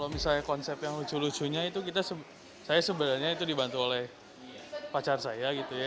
misalnya konsep yang lucu lucunya itu kita saya sebenarnya itu dibantu oleh pacar saya gitu ya